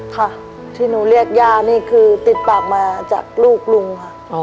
ค่ะที่หนูเรียกย่านี่คือติดปากมาจากลูกลุงค่ะ